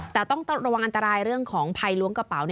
แต่ต้องระวังอันตรายเรื่องของภัยล้วงกระเป๋า